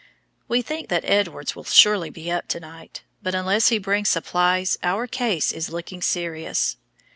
We think that Edwards will surely be up to night, but unless he brings supplies our case is looking serious.